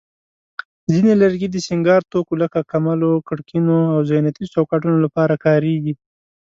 ځینې لرګي د سینګار توکو لکه کملو، کړکینو، او زینتي چوکاټونو لپاره کارېږي.